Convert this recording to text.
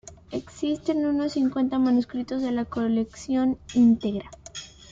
Existen unos cincuenta manuscritos de la colección íntegra.